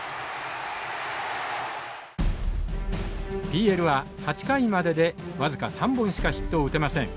ＰＬは８回までで僅か３本しかヒットを打てません。